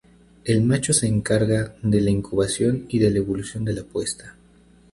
El macho se encarga de la incubación y de la evolución de la puesta.